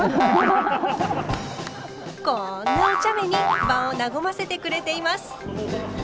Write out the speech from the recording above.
こんなおちゃめに場を和ませてくれています。